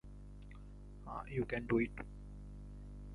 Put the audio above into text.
Stalin will come!